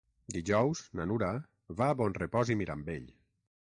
Dijous na Nura va a Bonrepòs i Mirambell.